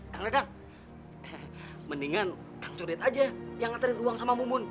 kang redang mendingan kang codet aja yang nganterin uang sama mumun